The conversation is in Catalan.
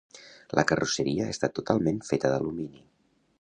La carrosseria està totalment feta d'alumini.